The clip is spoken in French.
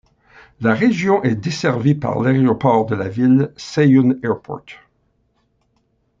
La région est desservie par l'aéroport de la ville, Seiyun Airport.